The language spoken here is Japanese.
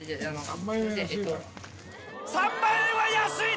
３万円は安いわ。